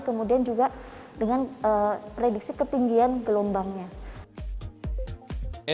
kemudian juga dengan prediksi ketinggian gelombangnya